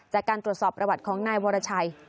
จากการตรวจสอบประวัติของนายวรชัย